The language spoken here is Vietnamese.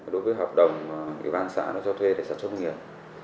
đối với hợp đồng mà ubnd xã nó cho thuê để sản xuất công nghiệp